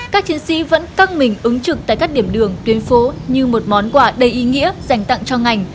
các chiến sĩ vẫn căng mình ứng trực tại các điểm đường tuyến phố như một món quà đầy ý nghĩa dành tặng cho ngành